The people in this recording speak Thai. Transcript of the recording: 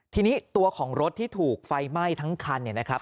ทีนี้ตัวของรถที่ถูกไฟไหม้ทั้งคันเนี่ยนะครับ